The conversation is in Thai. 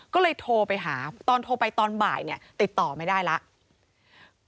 ก็เลยโทรไปหาตอนโทรไปตอนบ่ายเนี่ยติดต่อไม่ได้แล้ว